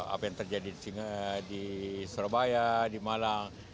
apa yang terjadi di surabaya di malang